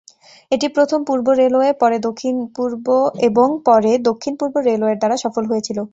এটি প্রথম পূর্ব রেলওয়ে এবং পরে দক্ষিণ পূর্ব রেলওয়ের দ্বারা সফল হয়েছিল।